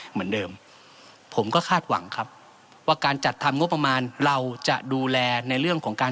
เหมือนเดิมผมก็คาดหวังครับว่าการจัดทำงบประมาณเราจะดูแลในเรื่องของการ